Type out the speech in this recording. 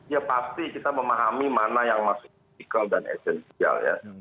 ya pasti kita memahami mana yang masuk kritikal dan esensial ya